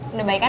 udah baik kan